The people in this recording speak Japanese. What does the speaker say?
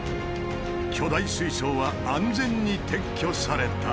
巨大水槽は安全に撤去された。